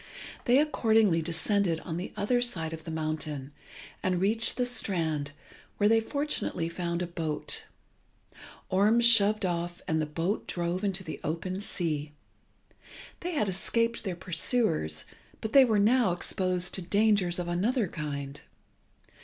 They accordingly descended on the other side of the mountain, and reached the strand, where they fortunately found a boat. Orm shoved off, and the boat drove into the open sea. They had escaped their pursuers, but they were now exposed to dangers of another kind.